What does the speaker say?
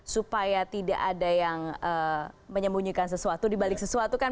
supaya tidak ada yang menyembunyikan sesuatu dibalik sesuatu kan